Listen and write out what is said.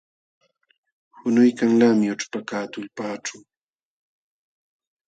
Qunuykanlaqmi ućhpakaq tullpaaćhu.